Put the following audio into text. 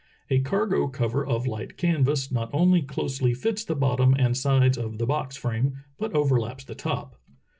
A cargo cover of light canvas not only closely fits the bot tom and sides of the box frame but overlaps the top.